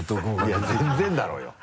いや全然だろうよ。